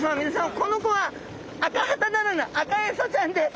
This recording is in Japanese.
この子はアカハタならぬアカエソちゃんです。